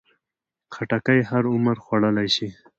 خټکی هر عمر خوړلی شي.